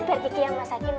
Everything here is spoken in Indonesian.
biar ki yang masakin mama